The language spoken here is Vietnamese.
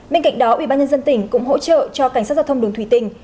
bên cạnh đó ubnd tỉnh cũng hỗ trợ cho cảnh sát giao thông đường thủy tỉnh